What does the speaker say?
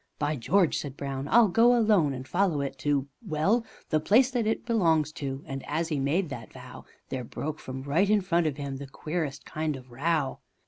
"By George," said Brown, "I'll go alone, and follow it to well, The place that it belongs to." And as 'e made the vow, There broke from right in front of 'im the queerest kind of row.